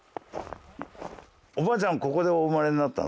おばあちゃんはここでお生まれになったんですか？